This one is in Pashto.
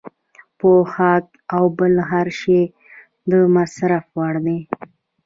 پوښاک او بل هر شی د مصرف وړ دی.